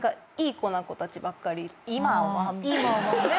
「今は」ね。